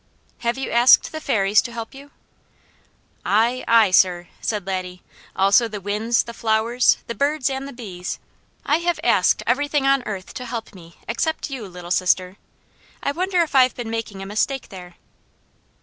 "Have you asked the Fairies to help you?" "Aye, aye, sir," said Laddie. "Also the winds, the flowers, the birds and the bees! I have asked everything on earth to help me except you, Little Sister. I wonder if I have been making a mistake there?"